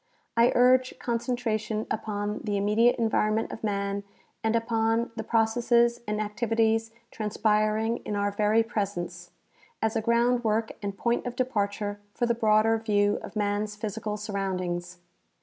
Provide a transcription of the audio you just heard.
I urge concentration upon the immediate environment of man and upon the processes and activities transpiring in our very presence, as a groundwork and jDoint of departure for the broader view of man's physical surroundings.